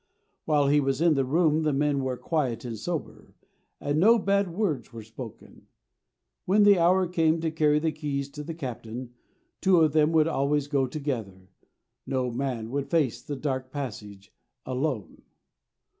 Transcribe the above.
While he was in the room the men were quiet and sober, and no bad words were spoken. When the hour came to carry the keys to the captain, two of them would always go together no man would face the dark passage alone.